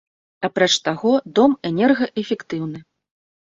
Апроч таго, дом энергаэфектыўны.